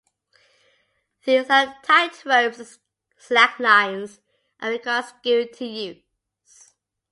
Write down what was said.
These are tightropes and slacklines, and require skill to use.